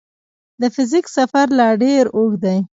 د فزیک سفر لا ډېر اوږ دی.